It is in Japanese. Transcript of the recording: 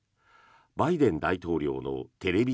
バイデン大統領のテレビ